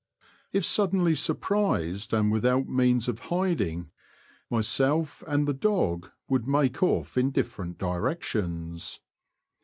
If suddenly surprised and without means of hiding, myself and the dog would make off in different directions.